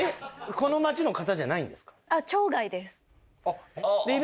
この町の方じゃないんですか？